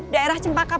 daerah cempaka pertama